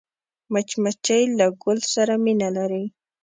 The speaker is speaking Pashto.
مچمچۍ له ګل سره مینه لري